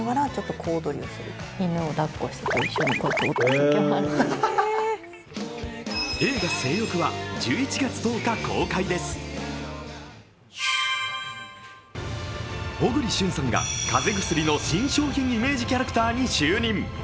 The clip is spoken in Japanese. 一方、新垣さんは小栗旬さんが風邪薬の新商品イメージキャラクターに就任。